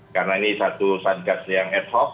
karena ini satu satgas yang ad hoc